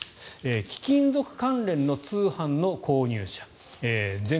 貴金属関連の通販の購入者全国